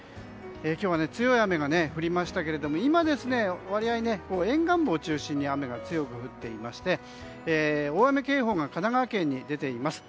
今日は強い雨が降りましたけれど今、割合、沿岸部を中心に雨が強く降っていまして大雨警報が神奈川県に出ています。